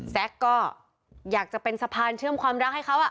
แซ็กก็อยากจะเป็นสะพานเชื่อมความรักให้เขา